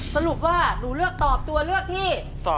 สรุปว่าหนูเลือกตอบตัวเลือกที่๒